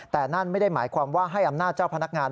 แต่นั่นไม่ได้หมายความว่าให้อำนาจเจ้าพนักงาน